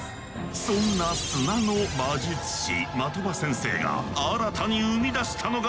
そんな砂の魔術師的場先生が新たに生み出したのが。